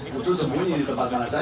muncul sembunyi di tempat mana saja